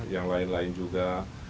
yang lain lain juga